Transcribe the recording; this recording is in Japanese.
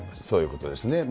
そういうことですね。